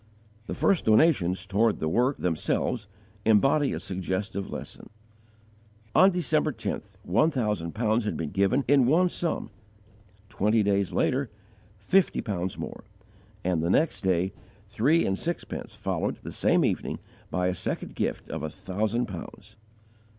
The first donations toward the work themselves embody a suggestive lesson. On December 10th, one thousand pounds had been given in one sum; twenty days later, fifty pounds more; and the next day, three and sixpence, followed, the same evening, by a second gift of a thousand pounds.